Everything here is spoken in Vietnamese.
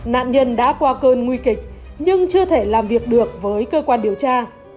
nạn nhân đã qua cơn nguy kịch nhưng chưa thể làm việc được với cơ quan điều tra